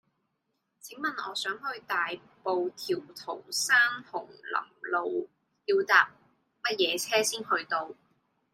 請問我想去大埔滌濤山紅林路要搭乜嘢車先去到